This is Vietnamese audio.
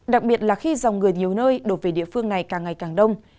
đặc biệt là khi dòng người nhiều nơi đổ về địa phương này càng ngày càng đông